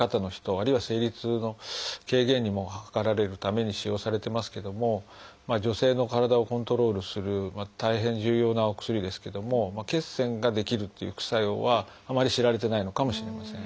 あるいは生理痛の軽減を図られるために使用されてますけども女性の体をコントロールする大変重要なお薬ですけども血栓が出来るっていう副作用はあまり知られてないのかもしれません。